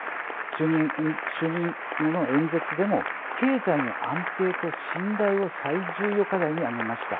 就任後の演説でも経済の安定と信頼を最重要課題に挙げました。